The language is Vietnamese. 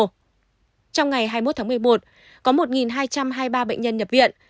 trong ngày hai mươi một tháng một mươi một có một hai trăm hai mươi ba bệnh nhân nhập viện